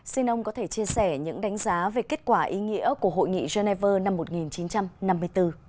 xin ông có thể chia sẻ những đánh giá về kết quả ý nghĩa của hội nghị geneva năm một nghìn chín trăm năm mươi bốn